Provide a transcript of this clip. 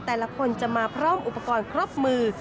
แต่ละคนจะมาพร้อมอุปกรณ์ครบมือ